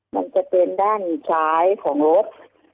มันจะเป็นด้านซ้ายของรถ